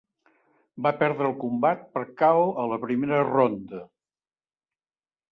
Va perdre el combat per KO a la primera ronda.